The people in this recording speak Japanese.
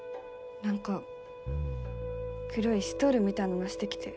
何か黒いストールみたいなのしてきて。